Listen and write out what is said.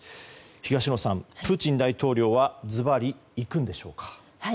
東野さん、プーチン大統領はずばり行くんでしょうか？